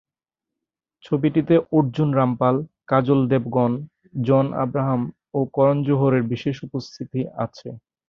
ছবিটিতে অর্জুন রামপাল, কাজল দেবগন, জন আব্রাহাম ও করন জোহরের বিশেষ উপস্থিতি আছে।